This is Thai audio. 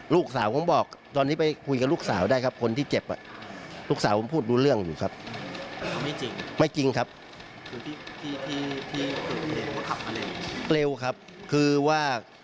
เลี้ยวครับคือว่า